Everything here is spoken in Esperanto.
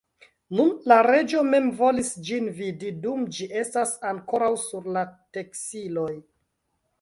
Nun la reĝo mem volis ĝin vidi, dum ĝi estas ankoraŭ sur la teksiloj.